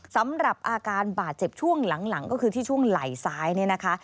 สำหรับอาการบาดเจ็บช่วงหลังก็คือที่ช่วงไหล่ซ้ายเนี่ยนะคะ